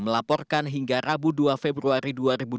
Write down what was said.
melaporkan hingga rabu dua februari dua ribu dua puluh